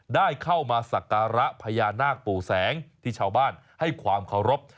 ได้เข้ามาสักการะพญานาคปู่แสงที่ชาวบ้านให้ความเคารพ